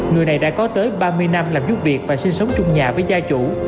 người này đã có tới ba mươi năm làm giúp việc và sinh sống trong nhà với gia chủ